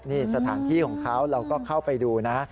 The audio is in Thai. นี่สถานที่ของเขาเราก็เข้าไปดูนะ